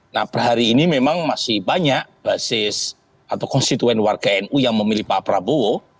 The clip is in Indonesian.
nah per hari ini memang masih banyak basis atau konstituen warga nu yang memilih pak prabowo